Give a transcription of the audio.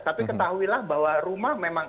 tapi ketahui lah bahwa rumah memang